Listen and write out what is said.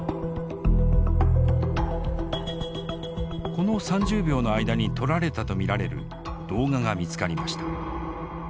この３０秒の間に撮られたと見られる動画が見つかりました。